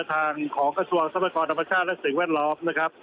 ทางของกระทรวงทรัพยากรธรรมชาติและสิ่งแวดล้อมนะครับ